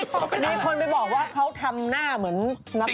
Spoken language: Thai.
เป็นของเขาเหรอนี่คนไปบอกว่าเขาทำหน้าเหมือนนักร้องดาว